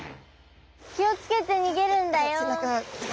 気を付けて逃げるんだよ。